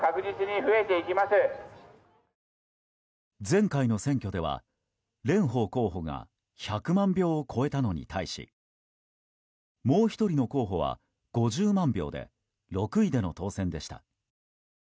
前回の選挙では蓮舫候補が１００万票を超えたのに対しもう１人の候補は５０万票で６位での当選でした。